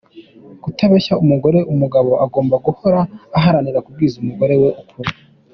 Kutabeshya umugore : umugabo agomba guhora aharanira kubwiza umugore we ukuri.